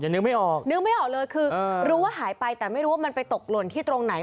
นึกไม่ออกนึกไม่ออกเลยคือรู้ว่าหายไปแต่ไม่รู้ว่ามันไปตกหล่นที่ตรงไหน